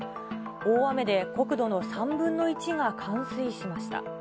大雨で国土の３分の１が冠水しました。